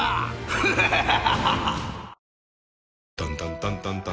フハハハ］